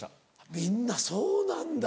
みんなそうなんだ。